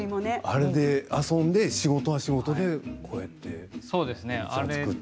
あれで遊んで仕事は仕事でこうやって作ってっていう。